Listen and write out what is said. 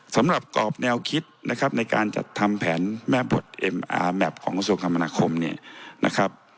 สำหรับกอบแนวคิดนะครับในการจัดทำแผนแม่บทเอ็มอาร์แมพของกรุงศัพท์คำมานะครมนี่นะครับ